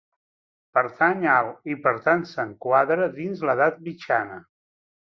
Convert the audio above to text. Pertany al i per tant s'enquadra dins la baixa edat mitjana.